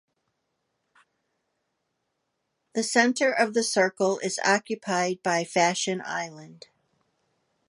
The center of the circle is occupied by Fashion Island.